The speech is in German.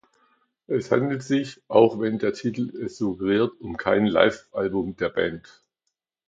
Es handelt sich, auch wenn der Titel es suggeriert, um kein Live-Album der Band.